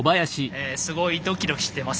すごいドキドキしてます。